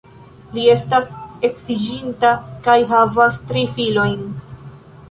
Li estas edziĝinta kaj havas tri filojn.